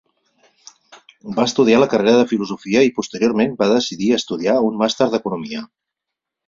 Va estudiar la carrera de filosofia i posteriorment va decidir estudiar un màster d'Economia.